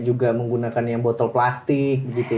juga menggunakan yang botol plastik gitu ya